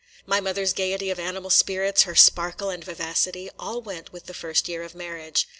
My mother's gayety of animal spirits, her sparkle and vivacity, all went with the first year of marriage.